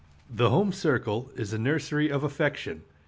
The home circle is the nursery of affection.